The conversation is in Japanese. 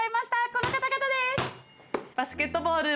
この方々です！